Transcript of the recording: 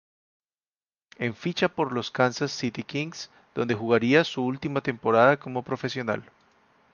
En ficha por los Kansas City Kings, donde jugaría su última temporada como profesional.